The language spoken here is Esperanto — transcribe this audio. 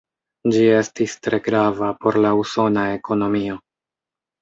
Ĝi estis tre grava por la usona ekonomio.